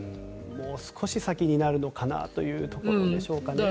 もう少し先になるのかなというところでしょうか。